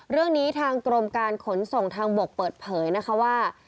เรื่องนี้ทางกรมการขนส่งทางบกเปิดเผยนะคะว่า